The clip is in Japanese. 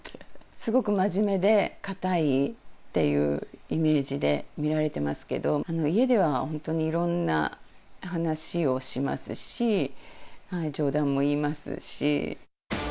すごく真面目で堅いっていうイメージで見られてますけど、家では本当にいろんな話をしますし、冗談も言いますし。